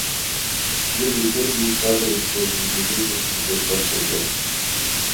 Сџьыба иҭыргеит садресқәа зегьы зныз сблокнот хәыҷы.